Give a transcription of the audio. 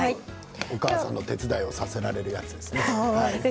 お母さんの手伝いをさせられるやつですね。